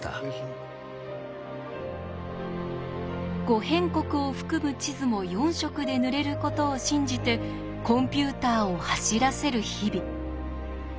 「五辺国」を含む地図も４色で塗れることを信じてコンピューターを走らせる日々。